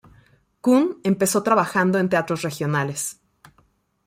Coon empezó trabajando en teatros regionales.